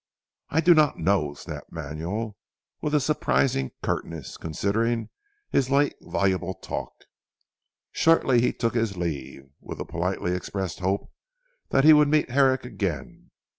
"I do not know," snapped Manuel with a surprising curtness considering his late voluble talk. Shortly he took his leave, with a politely expressed hope that he would meet Herrick again.